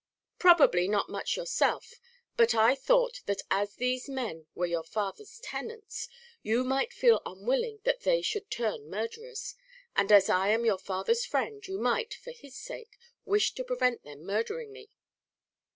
"Probably not much yourself; but I thought that as these men were your father's tenants, you might feel unwilling that they should turn murderers; and as I am your father's friend, you might, for his sake, wish to prevent them murdering me."